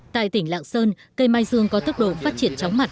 tại tỉnh lạng sơn cây mai dương có tốc độ phát triển chóng mặt